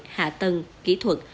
hạ tầng kỹ thuật